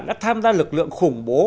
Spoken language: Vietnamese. do là đã tham gia lực lượng khủng bố